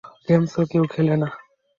গেমসও কেউ খেলে না।